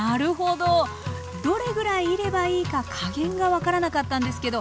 どれぐらいいればいいか加減が分からなかったんですけど